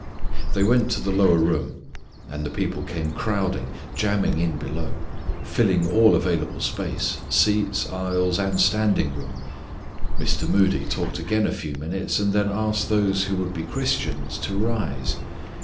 They went to the lower room. And the people came crowding, jamming in below, filling all available space, seats, aisles and standing room. Mr. Moody talked again a few minutes, and then asked those who would be Christians to rise.